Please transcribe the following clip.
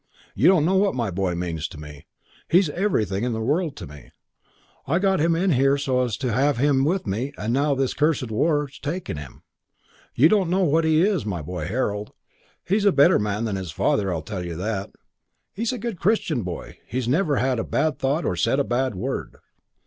You don't know what my boy means to me. He's everything in the world to me. I got him in here so as to have him with me and now this cursed war's taken him. You don't know what he is, my boy Harold. He's a better man than his father, I'll tell you that. He's a good Christian boy. He's never had a bad thought or said a bad word."